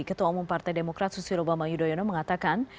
ketua umum partai demokrat susilo bama yudhoyono mengatakan